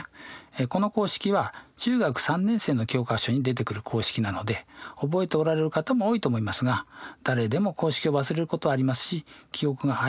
この公式は中学３年生の教科書に出てくる公式なので覚えておられる方も多いと思いますが誰でも公式を忘れることはありますし記憶が曖昧な時もありますよね。